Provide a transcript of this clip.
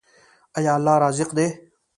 آیا الله رزاق دی؟